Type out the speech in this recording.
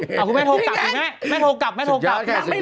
คุณแม่โทรกลับคุณแม่แม่โทรกลับแม่โทรกลับ